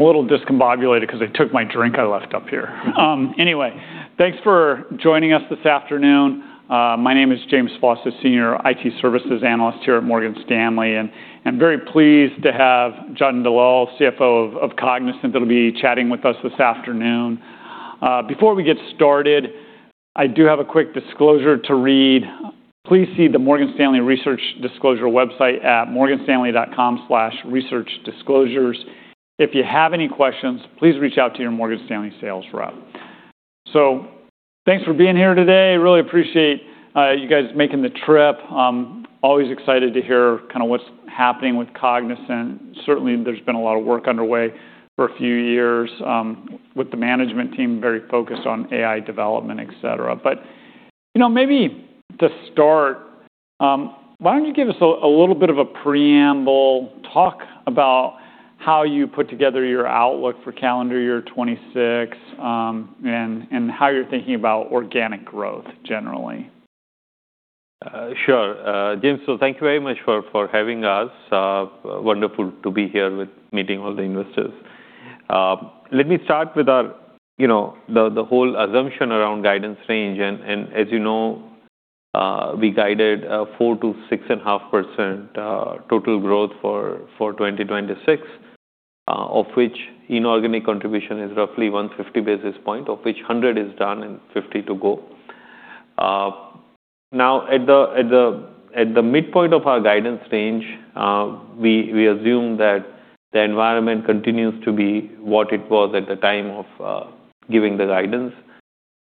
A little discombobulated because they took my drink I left up here. Thanks for joining us this afternoon. My name is James Faucette, Senior IT Services Analyst here at Morgan Stanley, I'm very pleased to have Jatin Dalal, CFO of Cognizant that'll be chatting with us this afternoon. Before we get started, I do have a quick disclosure to read. Please see the Morgan Stanley research disclosure website at morganstanley.com/researchdisclosures. If you have any questions, please reach out to your Morgan Stanley sales rep. Thanks for being here today. Really appreciate you guys making the trip. Always excited to hear kinda what's happening with Cognizant. Certainly, there's been a lot of work underway for a few years, with the management team very focused on AI development, et cetera. You know, maybe to start, why don't you give us a little bit of a preamble. Talk about how you put together your outlook for calendar year 2026, and how you're thinking about organic growth generally. Sure. James, thank you very much for having us. Wonderful to be here with meeting all the investors. Let me start with our, you know, the whole assumption around guidance range. As you know, we guided 4%-6.5% total growth for 2026, of which inorganic contribution is roughly 150 basis points, of which 100 is done and 50 to go. Now at the midpoint of our guidance range, we assume that the environment continues to be what it was at the time of giving the guidance.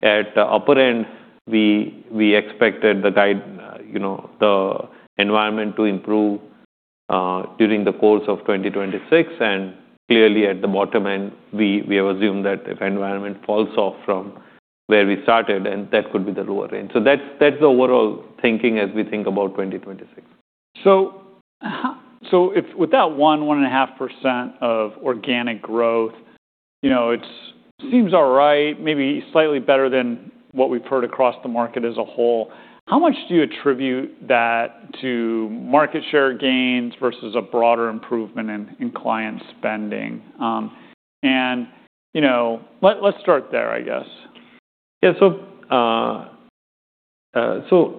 At the upper end, we expected the guide, you know, the environment to improve during the course of 2026. Clearly at the bottom end, we have assumed that if environment falls off from where we started and that could be the lower range. That's the overall thinking as we think about 2026. If with that 1.5% of organic growth, you know, it's seems all right, maybe slightly better than what we've heard across the market as a whole. How much do you attribute that to market share gains versus a broader improvement in client spending? You know, let's start there, I guess. If you,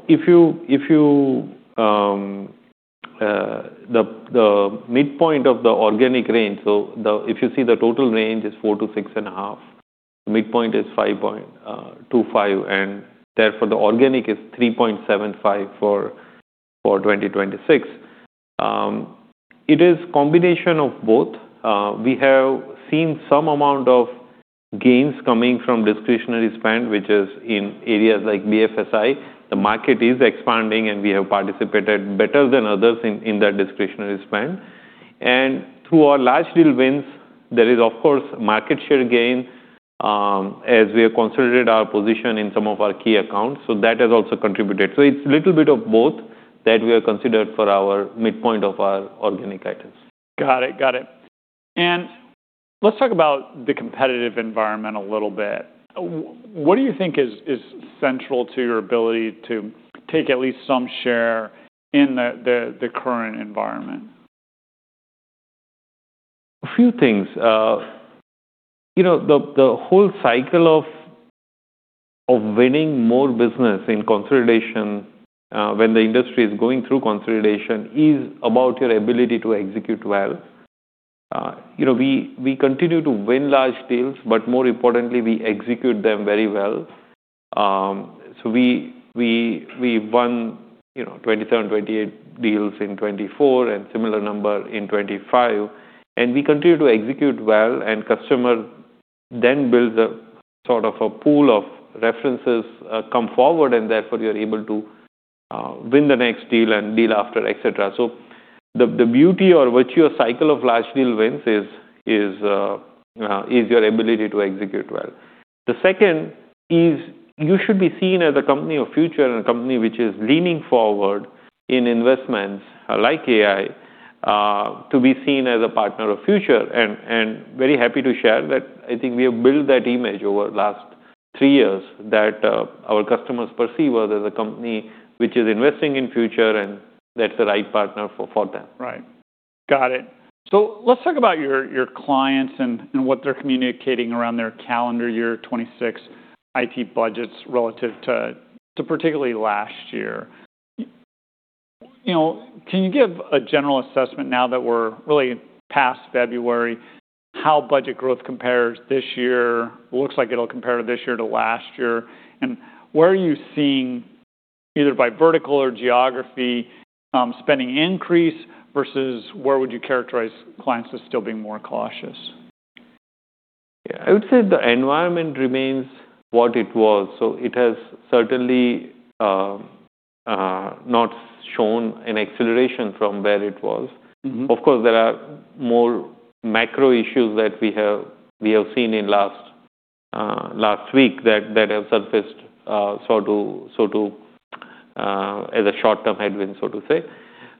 if you, the midpoint of the organic range. If you see the total range is 4%-6.5%, midpoint is 5.25%, and therefore the organic is 3.75% for 2026. It is combination of both. We have seen some amount of gains coming from discretionary spend, which is in areas like BFSI. The market is expanding, and we have participated better than others in that discretionary spend. Through our large deal wins, there is of course market share gain, as we have consolidated our position in some of our key accounts. That has also contributed. It's little bit of both that we have considered for our midpoint of our organic items. Got it. Got it. Let's talk about the competitive environment a little bit. What do you think is central to your ability to take at least some share in the current environment? A few things. You know, the whole cycle of winning more business in consolidation, when the industry is going through consolidation is about your ability to execute well. You know, we continue to win large deals, but more importantly, we execute them very well. We won, you know, 27, 28 deals in 2024 and similar number in 2025. We continue to execute well, customer then build a sort of a pool of references, come forward, therefore you're able to win the next deal and deal after, et cetera. The beauty or virtue of cycle of large deal wins is your ability to execute well. The second is you should be seen as a company of future and a company which is leaning forward in investments like AI, to be seen as a partner of future. Very happy to share that I think we have built that image over last three years that our customers perceive us as a company which is investing in future, and that's the right partner for them. Right. Got it. Let's talk about your clients and what they're communicating around their calendar year 2026 IT budgets relative to particularly last year. You know, can you give a general assessment now that we're really past February, how budget growth looks like it'll compare this year to last year? Where are you seeing, either by vertical or geography, spending increase versus where would you characterize clients as still being more cautious? Yeah. I would say the environment remains what it was. It has certainly not shown an acceleration from where it was. Mm-hmm. Of course, there are more macro issues that we have, we have seen in last week that have surfaced, so to, as a short-term headwind so to say.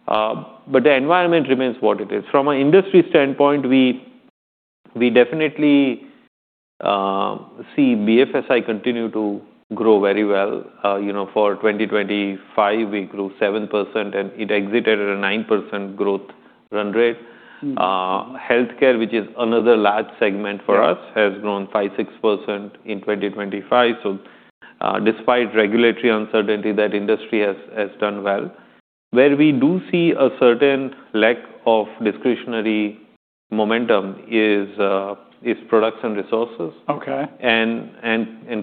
The environment remains what it is. From an industry standpoint, we definitely see BFSI continue to grow very well. You know, for 2025 we grew 7%, and it exited at a 9% growth run rate. Mm. Healthcare, which is another large segment for us. Yes... has grown 5%, 6% in 2025. Despite regulatory uncertainty, that industry has done well. Where we do see a certain lack of discretionary momentum is products and resources. Okay.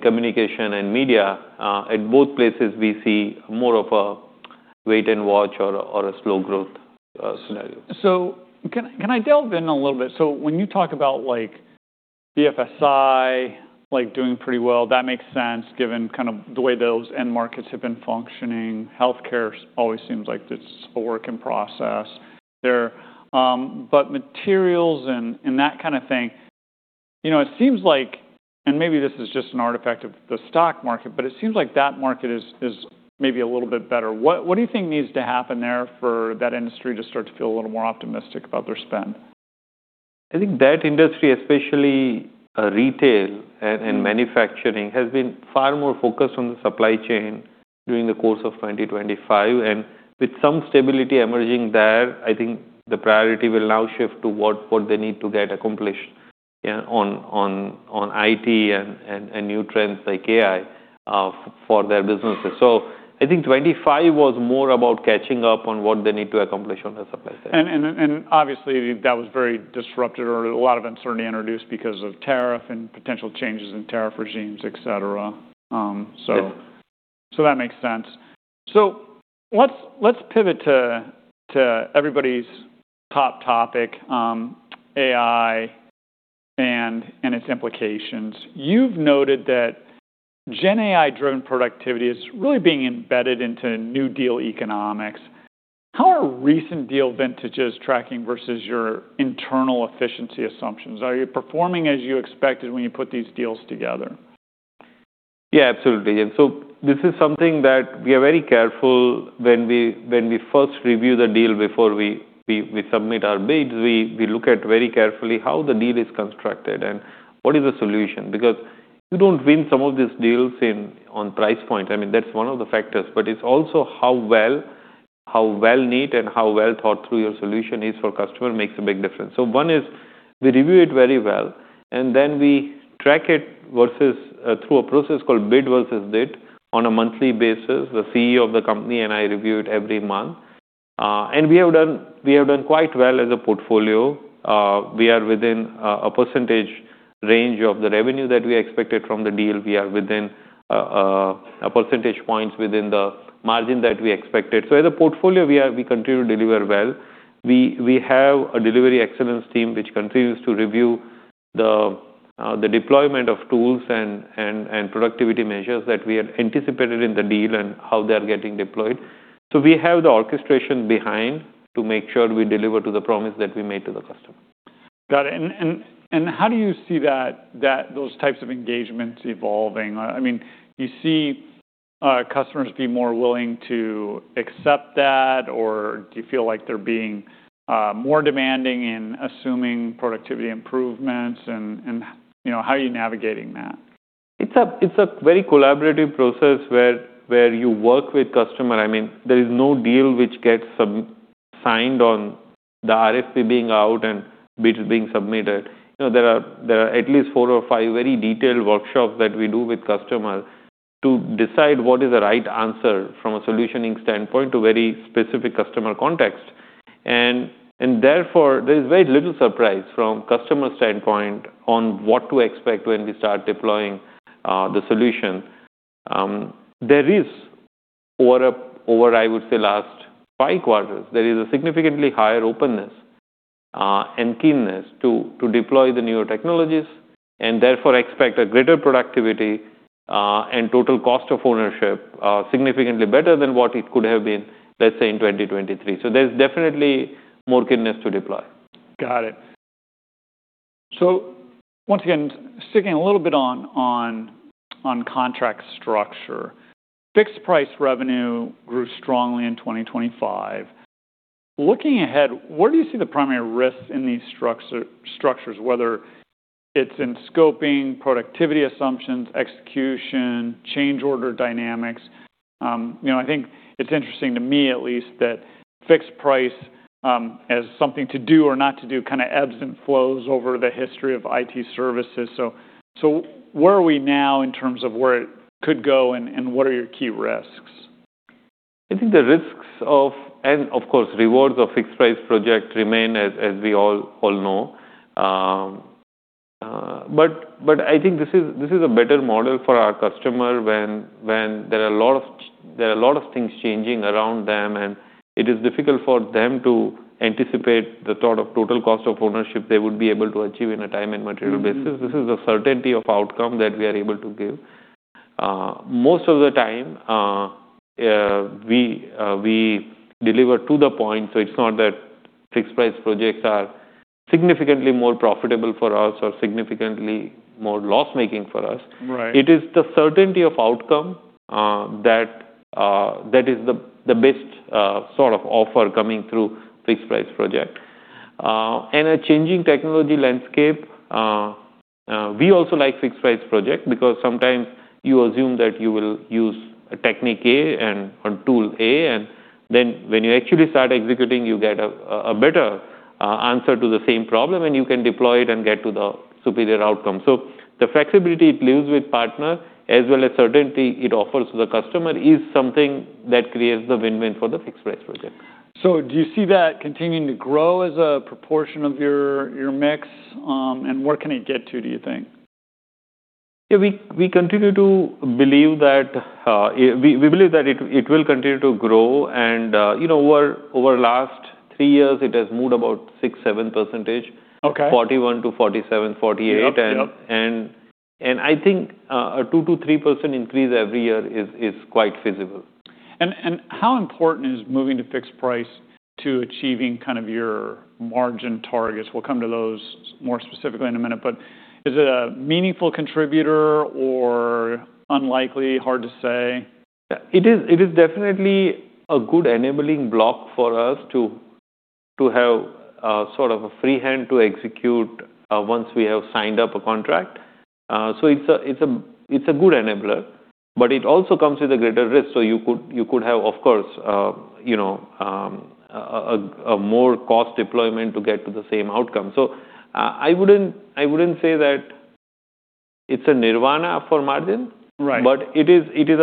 Communication and media, at both places we see more of a wait and watch or a slow growth, scenario. Can I delve in a little bit? When you talk about like BFSI, like doing pretty well, that makes sense given kind of the way those end markets have been functioning. Healthcare always seems like it's a work in process there. Materials and that kind of thing, you know, it seems like, and maybe this is just an artifact of the stock market, but it seems like that market is maybe a little bit better. What do you think needs to happen there for that industry to start to feel a little more optimistic about their spend? I think that industry, especially. Mm Retail and manufacturing, has been far more focused on the supply chain during the course of 2025. With some stability emerging there, I think the priority will now shift to what they need to get accomplished on IT and new trends like AI for their businesses. I think 2025 was more about catching up on what they need to accomplish on the supply chain. Obviously that was very disrupted or a lot of uncertainty introduced because of tariff and potential changes in tariff regimes, et cetera. Yep So, that makes sense. Let's, let's pivot to everybody's top topic, AI and its implications. You've noted that GenAI driven productivity is really being embedded into New Deal economics. How are recent deal vintages tracking versus your internal efficiency assumptions? Are you performing as you expected when you put these deals together? Absolutely. This is something that we are very careful when we first review the deal before we submit our bids. We look at very carefully how the deal is constructed and what is the solution, because you don't win some of these deals on price point. I mean, that's one of the factors, but it's also how well-knit and how well thought through your solution is for customer makes a big difference. One is we review it very well, we track it versus through a process called bid versus bid on a monthly basis. The CEO of the company and I review it every month. We have done quite well as a portfolio. We are within a percentage range of the revenue that we expected from the deal. We are within a percentage points within the margin that we expected. As a portfolio, we continue to deliver well. We have a delivery excellence team which continues to review the deployment of tools and productivity measures that we had anticipated in the deal and how they're getting deployed. We have the orchestration behind to make sure we deliver to the promise that we made to the customer. Got it. How do you see those types of engagements evolving? I mean, do you see customers be more willing to accept that, or do you feel like they're being more demanding in assuming productivity improvements? You know, how are you navigating that? It's a very collaborative process where you work with customer. I mean, there is no deal which gets signed on the RFP being out and bids being submitted. You know, there are at least four or five very detailed workshops that we do with customers to decide what is the right answer from a solutioning standpoint to very specific customer context. Therefore, there's very little surprise from customer standpoint on what to expect when we start deploying the solution. There is over, I would say last five quarters, there is a significantly higher openness and keenness to deploy the newer technologies and therefore expect a greater productivity and Total Cost of Ownership significantly better than what it could have been, let's say in 2023. There's definitely more keenness to deploy. Got it. Once again, sticking a little bit on contract structure. Fixed price revenue grew strongly in 2025. Looking ahead, where do you see the primary risks in these structures, whether it's in scoping, productivity assumptions, execution, change order dynamics? You know, I think it's interesting to me at least that fixed price, as something to do or not to do kind of ebbs and flows over the history of IT services. Where are we now in terms of where it could go and what are your key risks? I think the risks of, and of course, rewards of fixed price project remain as we all know. I think this is a better model for our customer when there are a lot of things changing around them, and it is difficult for them to anticipate the sort of Total Cost of Ownership they would be able to achieve in a time and material basis. Mm-hmm. This is a certainty of outcome that we are able to give. Most of the time, we deliver to the point. It's not that fixed price projects are significantly more profitable for us or significantly more loss-making for us. Right. It is the certainty of outcome that is the best sort of offer coming through fixed price project. In a changing technology landscape, we also like fixed price project because sometimes you assume that you will use a technique A and a tool A, and then when you actually start executing, you get a better answer to the same problem, and you can deploy it and get to the superior outcome. The flexibility it leaves with partner as well as certainty it offers to the customer is something that creates the win-win for the fixed price project. Do you see that continuing to grow as a proportion of your mix? And where can it get to, do you think? Yeah, we continue to believe that it will continue to grow and, you know, over the last three years it has moved about 6%-7%. Okay. 41-47, 48. Yep. Yep. I think, a 2%-3% increase every year is quite feasible. How important is moving to fixed price to achieving kind of your margin targets? We'll come to those more specifically in a minute. Is it a meaningful contributor or unlikely? Hard to say? It is definitely a good enabling block for us to have sort of a free hand to execute once we have signed up a contract. It's a good enabler, but it also comes with a greater risk. You could have, of course, you know, a more cost deployment to get to the same outcome. I wouldn't say that it's a nirvana for margin. Right. It is a good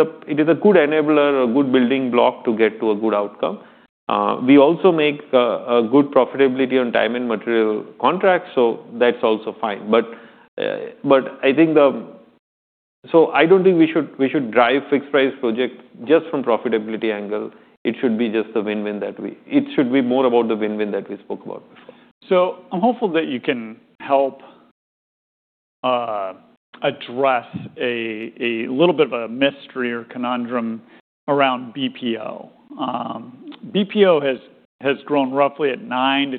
enabler, a good building block to get to a good outcome. We also make a good profitability on time and material contracts, so that's also fine. I don't think we should drive fixed price project just from profitability angle. It should be just the win-win that we. It should be more about the win-win that we spoke about before. I'm hopeful that you can help address a little bit of a mystery or conundrum around BPO. BPO has grown roughly at 9%-10%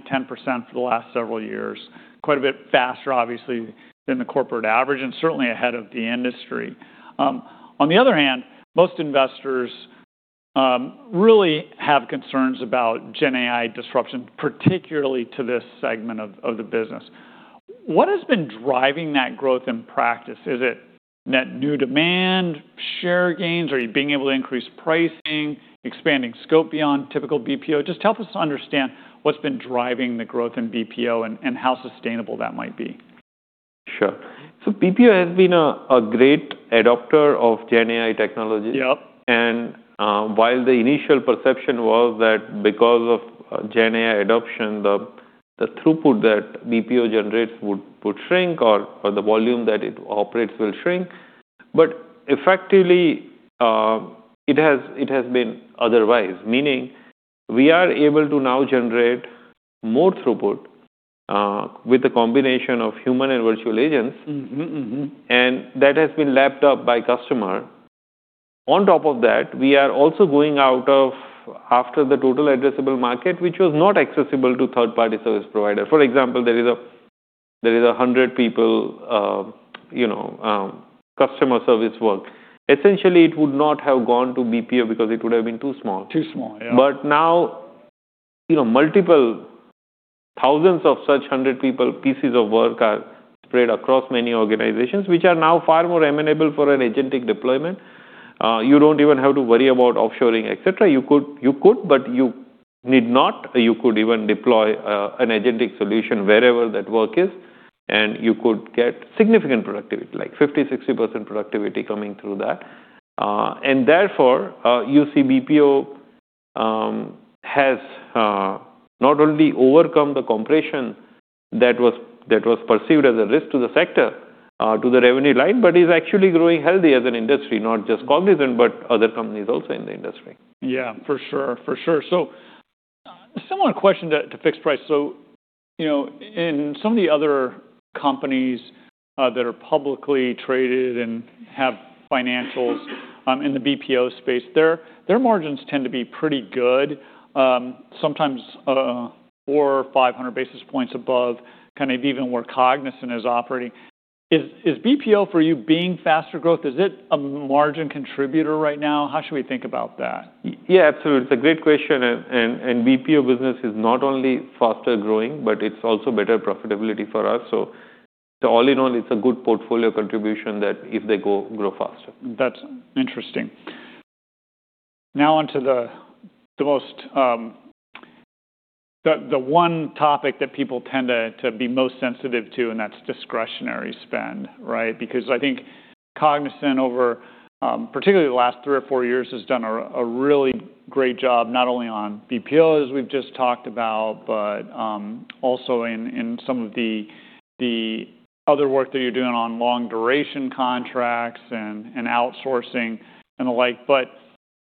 for the last several years. Quite a bit faster, obviously, than the corporate average, and certainly ahead of the industry. On the other hand, most investors really have concerns about GenAI disruption, particularly to this segment of the business. What has been driving that growth in practice? Is it net new demand, share gains? Are you being able to increase pricing, expanding scope beyond typical BPO? Just help us understand what's been driving the growth in BPO and how sustainable that might be. Sure. BPO has been a great adopter of GenAI technology. Yep. While the initial perception was that because of GenAI adoption, the throughput that BPO generates would shrink or the volume that it operates will shrink, but effectively, it has been otherwise. Meaning we are able to now generate more throughput with a combination of human and virtual agents. Mm-hmm. Mm-hmm. That has been lapped up by customer. On top of that, we are also going after the total addressable market, which was not accessible to third-party service provider. For example, there is a 100 people, you know, customer service work. Essentially, it would not have gone to BPO because it would have been too small. Too small, yeah. Now, you know, multiple thousands of such 100 people, pieces of work are spread across many organizations, which are now far more amenable for an agentic deployment. You don't even have to worry about offshoring, et cetera. You could, but you need not. You could even deploy an agentic solution wherever that work is, and you could get significant productivity, like 50%, 60% productivity coming through that. Therefore, you see BPO has not only overcome the compression that was perceived as a risk to the sector, to the revenue line, but is actually growing healthy as an industry. Not just Cognizant, but other companies also in the industry. Yeah, for sure. For sure. A similar question to fixed price. You know, in some of the other companies that are publicly traded and have financials in the BPO space, their margins tend to be pretty good, sometimes 400, 500 basis points above kind of even where Cognizant is operating. Is BPO for you being faster growth? Is it a margin contributor right now? How should we think about that? Yeah, absolutely. It's a great question, BPO business is not only faster growing, but it's also better profitability for us. All in all, it's a good portfolio contribution that if they grow faster. That's interesting. On to the most the one topic that people tend to be most sensitive to, and that's discretionary spend, right? Because I think Cognizant over particularly the last three or four years, has done a really great job, not only on BPO, as we've just talked about, also in some of the other work that you're doing on long duration contracts and outsourcing and the like.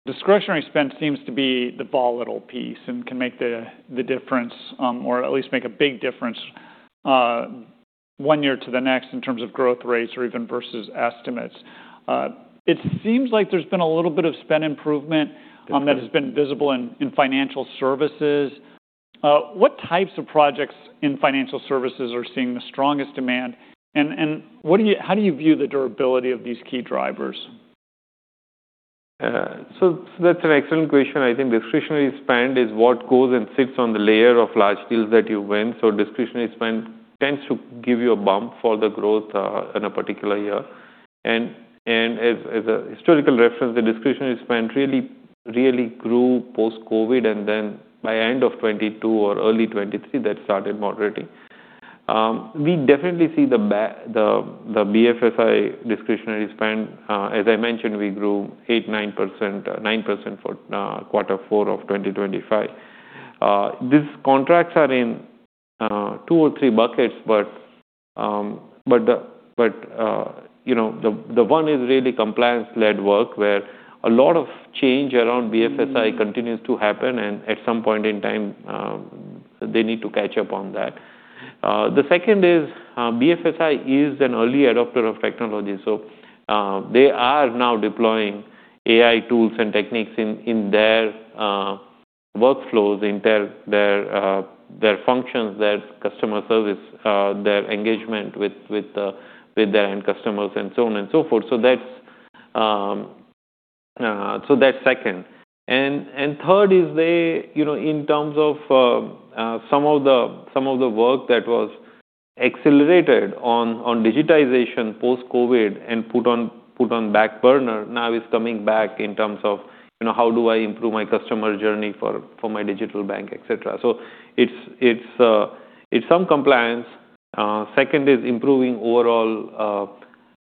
Discretionary spend seems to be the volatile piece and can make the difference, or at least make a big difference, one year to the next in terms of growth rates or even versus estimates. It seems like there's been a little bit of spend improvement, that has been visible in financial services. What types of projects in financial services are seeing the strongest demand? How do you view the durability of these key drivers? That's an excellent question. I think discretionary spend is what goes and sits on the layer of large deals that you win. Discretionary spend tends to give you a bump for the growth in a particular year. As a historical reference, the discretionary spend really, really grew post-COVID, and then by end of 2022 or early 2023, that started moderating. We definitely see the BFSI discretionary spend. As I mentioned, we grew 8%, 9%, 9% for quarter four of 2025. These contracts are in two or three buckets, but, you know, the one is really compliance-led work where a lot of change around BFSI continues to happen, and at some point in time, they need to catch up on that. The second is BFSI is an early adopter of technology, so they are now deploying AI tools and techniques in their workflows, in their functions, their customer service, their engagement with their end customers and so on and so forth. That's second. Third is they, you know, in terms of some of the, some of the work that was accelerated on digitization post-COVID and put on back burner now is coming back in terms of, you know, how do I improve my customer journey for my digital bank, et cetera. It's some compliance. Second is improving overall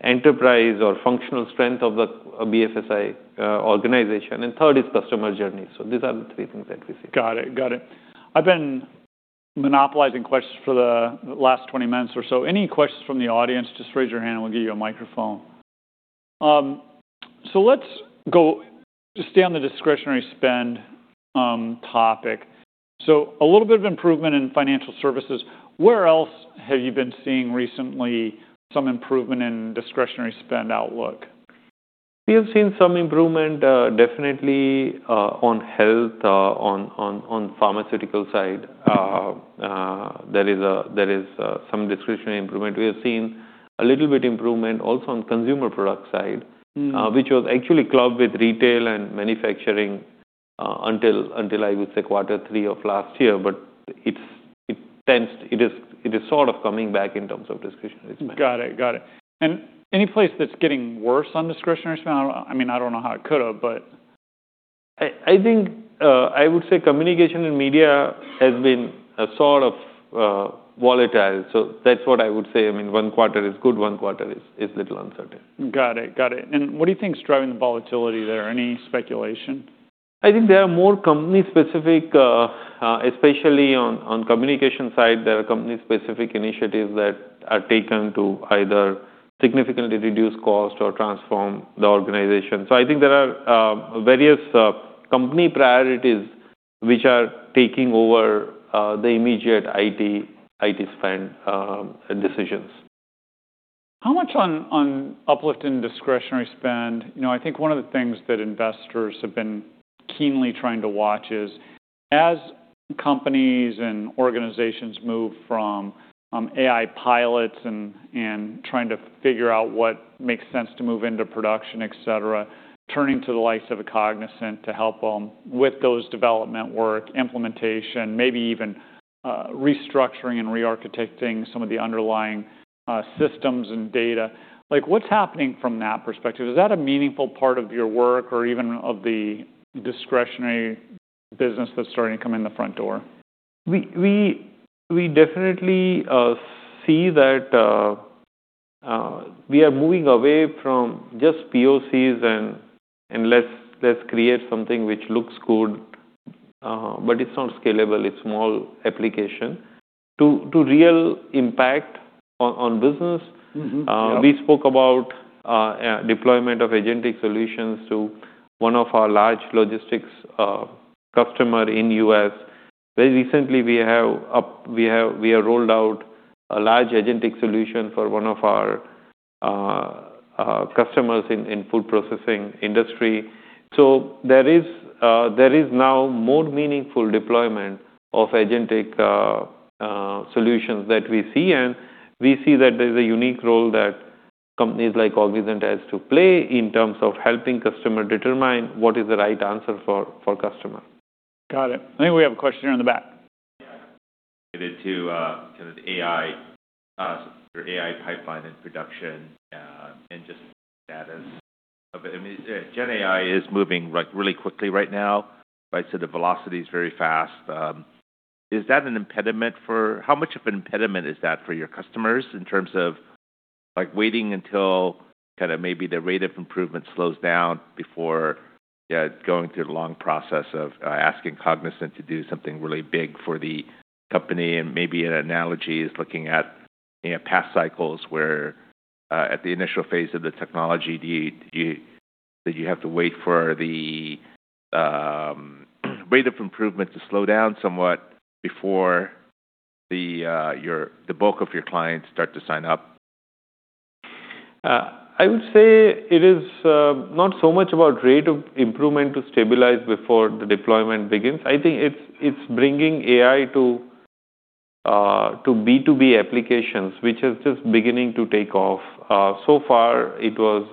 enterprise or functional strength of the BFSI organization. Third is customer journey. These are the three things that we see. Got it. I've been monopolizing questions for the last 20 minutes or so. Any questions from the audience, just raise your hand and we'll give you a microphone. Let's go... Just stay on the discretionary spend topic. A little bit of improvement in financial services. Where else have you been seeing recently some improvement in discretionary spend outlook? We have seen some improvement, definitely, on health, on pharmaceutical side. There is some discretionary improvement. We have seen a little bit improvement also on consumer product side. Mm. Which was actually clubbed with retail and manufacturing, until, I would say, quarter three of last year. It's sort of coming back in terms of discretionary spend. Got it. Got it. Any place that's getting worse on discretionary spend? I mean, I don't know how it could have. I think, I would say communication and media has been sort of volatile. That's what I would say. I mean, one quarter is good, one quarter is little uncertain. Got it. What do you think is driving the volatility there? Any speculation? I think there are more company-specific, especially on communication side, there are company-specific initiatives that are taken to either significantly reduce cost or transform the organization. I think there are various company priorities which are taking over the immediate IT spend decisions. How much on uplift in discretionary spend? You know, I think one of the things that investors have been keenly trying to watch is as companies and organizations move from AI pilots and trying to figure out what makes sense to move into production, et cetera, turning to the likes of a Cognizant to help them with those development work, implementation, maybe even restructuring and re-architecting some of the underlying systems and data. Like, what's happening from that perspective? Is that a meaningful part of your work or even of the discretionary business that's starting to come in the front door? We definitely see that we are moving away from just POCs and let's create something which looks good, but it's not scalable, it's small application, to real impact on business. Yeah. We spoke about deployment of agentic solutions to one of our large logistics customer in U.S. Very recently we have rolled out a large agentic solution for one of our customers in food processing industry. There is now more meaningful deployment of agentic solutions that we see. We see that there's a unique role that companies like Cognizant has to play in terms of helping customer determine what is the right answer for customer. Got it. I think we have a question here in the back. Yeah. Get into kind of the AI or AI pipeline in production and just status of it. I mean, GenAI is moving like really quickly right now, right? The velocity is very fast. How much of an impediment is that for your customers in terms of like waiting until kinda maybe the rate of improvement slows down before going through the long process of asking Cognizant to do something really big for the company? Maybe an analogy is looking at, you know, past cycles where at the initial phase of the technology, did you have to wait for the rate of improvement to slow down somewhat before the bulk of your clients start to sign up? I would say it is not so much about rate of improvement to stabilize before the deployment begins. I think it's bringing AI to B2B applications, which is just beginning to take off. So far it was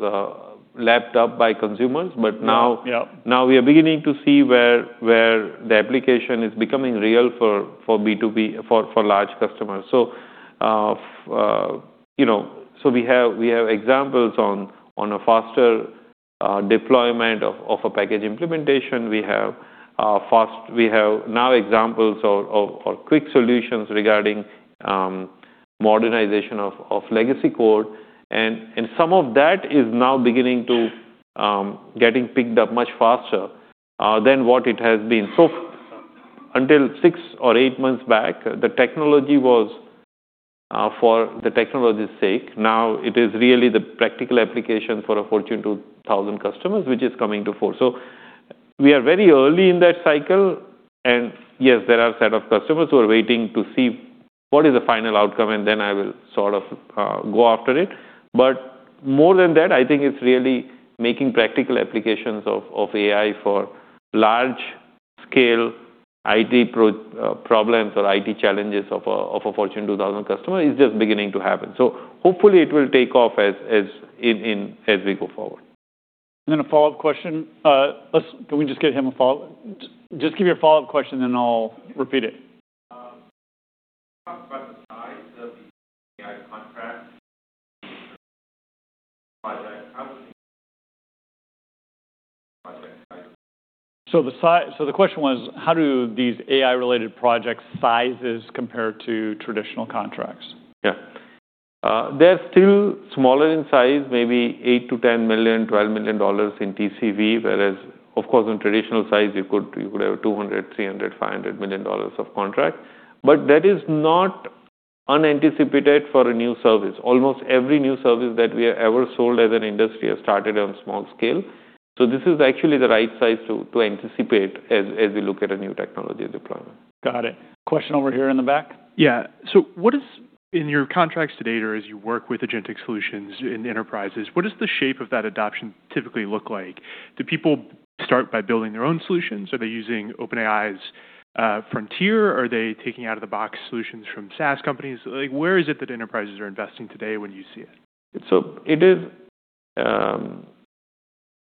lapped up by consumers, but now. Yeah. Now we are beginning to see where the application is becoming real for B2B, for large customers. You know, we have examples on a faster deployment of a package implementation. We have now examples of quick solutions regarding modernization of legacy code. Some of that is now beginning to getting picked up much faster than what it has been. Until six or eight months back, the technology was for the technology's sake. Now it is really the practical application for a Fortune 2000 customers, which is coming to fore. We are very early in that cycle. Yes, there are a set of customers who are waiting to see what is the final outcome, and then I will sort of go after it. More than that, I think it's really making practical applications of AI for large-scale IT problems or IT challenges of a Fortune 2000 customer is just beginning to happen. Hopefully it will take off as we go forward. A follow-up question. Can we just give him a follow-up? Just give your follow-up question then I'll repeat it. Talk about the size of the AI contract. Project. How project size. The question was, how do these AI-related project sizes compare to traditional contracts? Yeah. They're still smaller in size, maybe $8 million-$10 million, $12 million in TCV, whereas of course, in traditional size you could have $200 million, $300 million, $500 million of contract. That is not unanticipated for a new service. Almost every new service that we have ever sold as an industry has started on small scale. This is actually the right size to anticipate as we look at a new technology deployment. Got it. Question over here in the back. Yeah. In your contracts to date or as you work with agentic solutions in enterprises, what does the shape of that adoption typically look like? Do people start by building their own solutions? Are they using OpenAI's frontier? Are they taking out-of-the-box solutions from SaaS companies? Where is it that enterprises are investing today when you see it?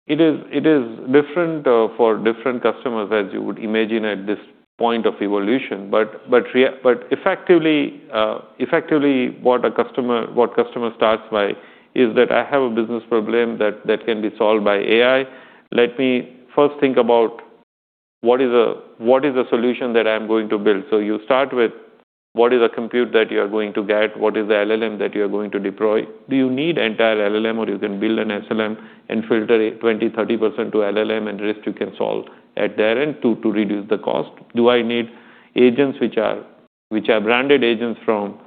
It is different for different customers, as you would imagine at this point of evolution. Effectively what customer starts by is that I have a business problem that can be solved by AI. Let me first think about what is a solution that I'm going to build. You start with what is a compute that you are going to get? What is the LLM that you are going to deploy? Do you need entire LLM, or you can build an SLM and filter it 20%, 30% to LLM and risk you can solve at their end to reduce the cost. Do I need agents which are branded agents from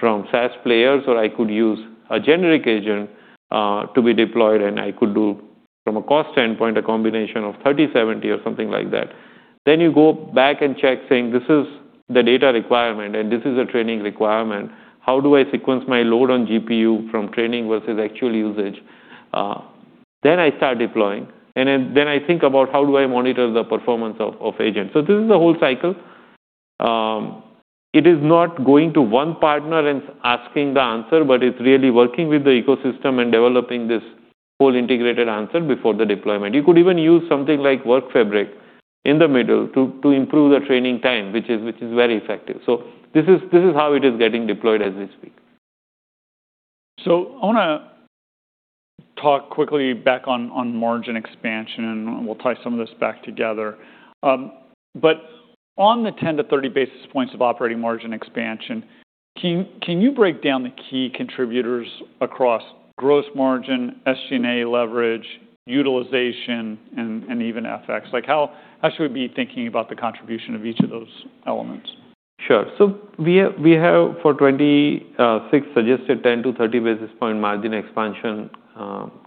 SaaS players, or I could use a generic agent to be deployed, and I could do from a cost standpoint, a combination of 30/70 or something like that. You go back and check saying, "This is the data requirement and this is a training requirement. How do I sequence my load on GPU from training versus actual usage?" Then I start deploying, and then I think about how do I monitor the performance of agent. This is the whole cycle. It is not going to one partner and asking the answer, but it's really working with the ecosystem and developing this whole integrated answer before the deployment. You could even use something like Workfabric in the middle to improve the training time, which is very effective. This is how it is getting deployed as we speak. I wanna talk quickly back on margin expansion and we'll tie some of this back together. On the 10 to 30 basis points of operating margin expansion, can you break down the key contributors across gross margin, SG&A leverage, utilization, and even FX? Like how should we be thinking about the contribution of each of those elements? Sure. We have for 2026 suggested 10 to 30 basis point margin expansion,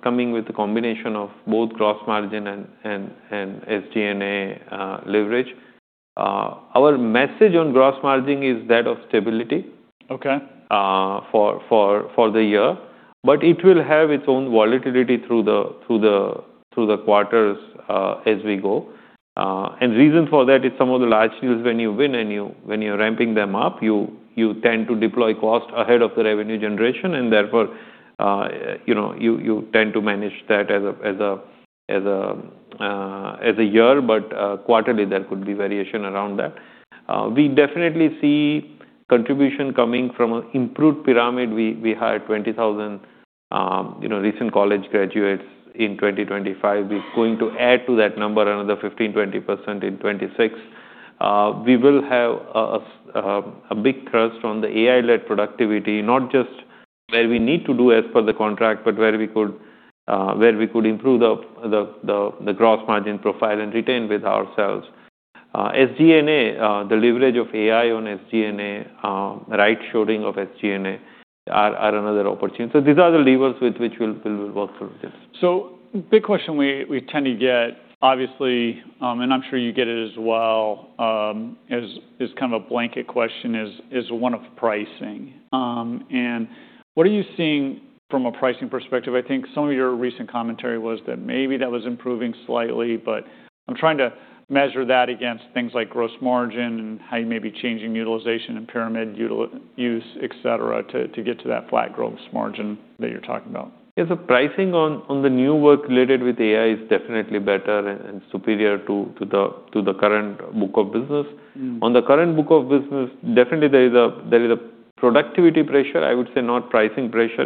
coming with a combination of both gross margin and SG&A leverage. Our message on gross margin is that of stability. Okay For the year. It will have its own volatility through the quarters as we go. Reason for that is some of the large deals when you win and when you're ramping them up, you tend to deploy cost ahead of the revenue generation and therefore, you know, you tend to manage that as a year, quarterly there could be variation around that. We definitely see contribution coming from an improved pyramid. We hired 20,000, you know, recent college graduates in 2025. We're going to add to that number another 15%-20% in 2026. We will have a big thrust on the AI-led productivity, not just where we need to do as per the contract, but where we could improve the gross margin profile and retain with ourselves. SG&A, the leverage of AI on SG&A, right shoring of SG&A are another opportunity. These are the levers with which we'll work through this. Big question we tend to get, obviously, and I'm sure you get it as well, as kind of a blanket question is one of pricing. And what are you seeing from a pricing perspective? I think some of your recent commentary was that maybe that was improving slightly, but I'm trying to measure that against things like gross margin and how you may be changing utilization and pyramid util-use, et cetera, to get to that flat gross margin that you're talking about. Yes, the pricing on the new work related with AI is definitely better and superior to the current book of business. Mm. On the current book of business, definitely there is a productivity pressure, I would say not pricing pressure.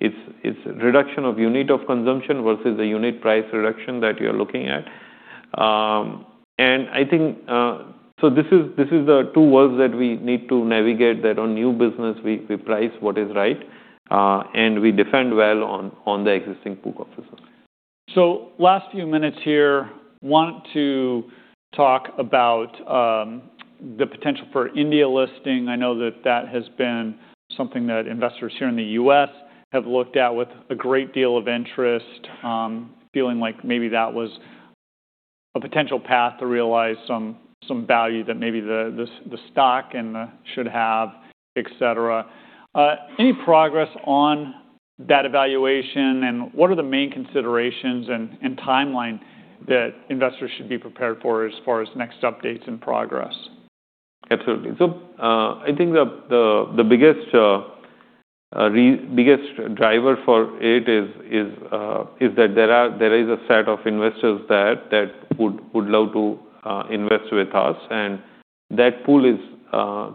It's reduction of unit of consumption versus the unit price reduction that you're looking at. I think this is the two worlds that we need to navigate that on new business we price what is right, and we defend well on the existing book of business. Last few minutes here, want to talk about the potential for India listing. I know that that has been something that investors here in the U.S. have looked at with a great deal of interest, feeling like maybe that was a potential path to realize some value that maybe the stock should have, et cetera. Any progress on that evaluation, and what are the main considerations and timeline that investors should be prepared for as far as next updates and progress? Absolutely. I think the biggest driver for it is that there is a set of investors that would love to invest with us. That pool is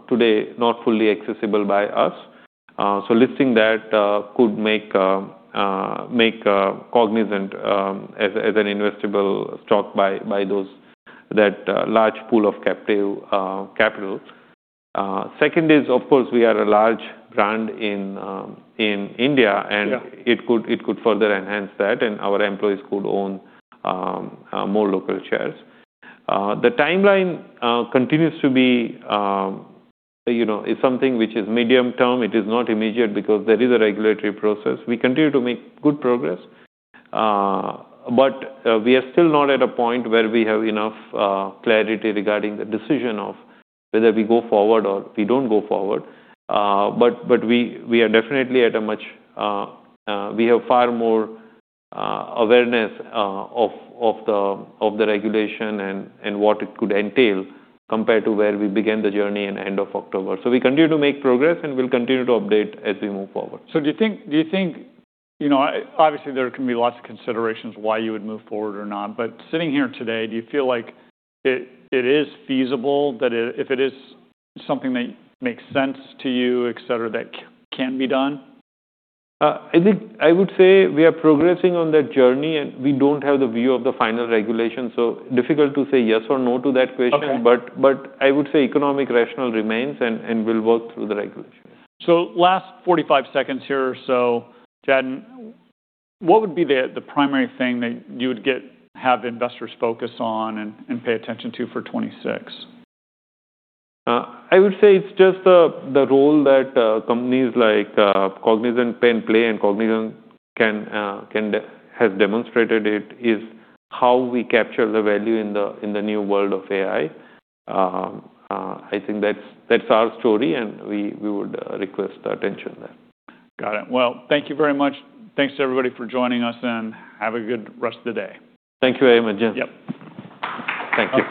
today not fully accessible by us. Listing that could make Cognizant as an investable stock by those that large pool of captive capital. Second is, of course, we are a large brand in India- Yeah It could further enhance that, and our employees could own more local shares. The timeline continues to be, you know, it's something which is medium term. It is not immediate because there is a regulatory process. We continue to make good progress, but we are still not at a point where we have enough clarity regarding the decision of whether we go forward or we don't go forward. We have far more awareness of the regulation and what it could entail compared to where we began the journey in end of October. We continue to make progress, and we'll continue to update as we move forward. Do you think, you know, obviously, there can be lots of considerations why you would move forward or not, but sitting here today, do you feel like it is feasible, that if it is something that makes sense to you, et cetera, that can be done? I think I would say we are progressing on that journey, and we don't have the view of the final regulation, so difficult to say yes or no to that question. Okay. I would say economic rationale remains, and we'll work through the regulation. So, last 45 seconds here or so, Jatin, what would be the primary thing that you would have investors focus on and pay attention to for 2026? I would say it's just the role that companies like Cognizant can play and Cognizant has demonstrated it, is how we capture the value in the, in the new world of AI. I think that's our story, and we would request attention there. Got it. Well, thank you very much. Thanks to everybody for joining us. Have a good rest of the day. Thank you very much, Jim. Yep. Thank you.